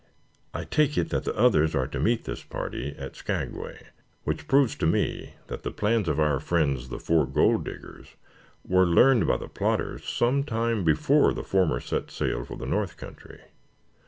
I take it that the others are to meet this party at Skagway, which proves to me that the plans of our friends, the four Gold Diggers, were learned by the plotters some time before the former set sail for the north country.